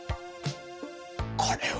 これは。